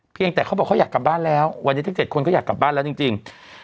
แต่เขาบอกเขาอยากกลับบ้านแล้ววันนี้ทั้ง๗คนก็อยากกลับบ้านแล้วจริง